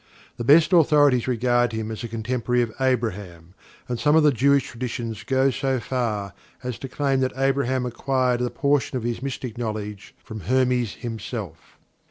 The best authorities regard him as a contemporary of Abraham, and some of the Jewish traditions go so far as to claim that Abraham acquired a portion of his mystic knowledge from Hermes himself.